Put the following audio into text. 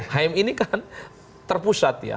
hm ini kan terpusat ya